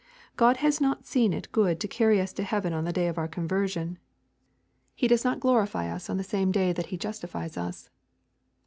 God has not seen it good to carry us to heaven on the day of our conversion. He does not glorify us on the same day that He justifies us.